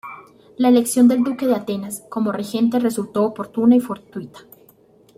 La elección del duque de Atenas como regente resultó oportuna y fortuita.